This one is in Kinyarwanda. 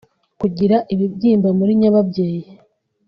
kugira ibibyimba muri nyababyeyi